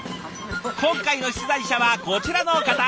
今回の出題者はこちらの方。